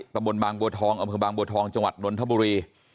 ตำบลบางบัวทองอำเภอบางบัวทองจังหวัดนนทบุรี